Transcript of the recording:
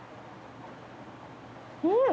うん。